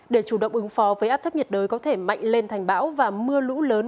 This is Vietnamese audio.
để chủ động ứng phó với áp thấp nhiệt đới có thể mạnh lên thành bão và mưa lũ lớn